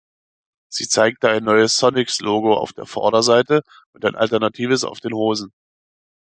Sie zeigte ein neues Sonics-Logo auf der Vorderseite und ein alternatives auf den Hosen.